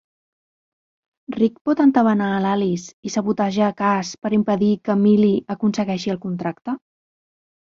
Rick pot entabanar a Alice i sabotejar Kaz per impedir que Millie aconsegueixi el contracte?